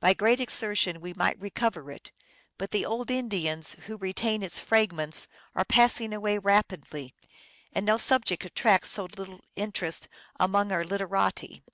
By great exertion we might recover it, but the old Indians who re tain its fragments are passing away rapidly, and no subject at tracts so little interest among our literati.